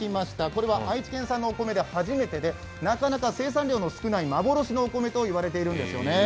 これは愛知県産のお米で初めてで、生産量の少ない幻のお米と言われているんですよね。